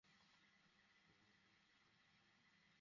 আর জেসও নাকি সেই বনের মধ্যে গেছে।